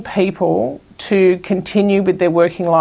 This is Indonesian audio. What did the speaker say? terus berjaya dengan kehidupan mereka